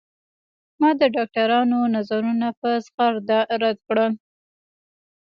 ما د ډاکترانو نظرونه په زغرده رد کړل.